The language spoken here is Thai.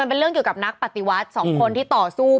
เป็นการกระตุ้นการไหลเวียนของเลือด